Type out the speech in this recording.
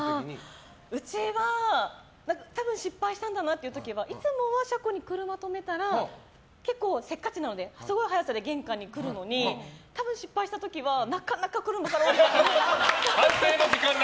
うちは多分失敗したんだなっていう時はいつもは車庫に車を止めたら結構、せっかちなのですごい早さで玄関に来るのに多分失敗した時はなかなか車から降りずに。